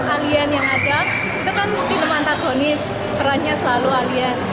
kalian yang ada itu kan film antagonis perannya selalu alian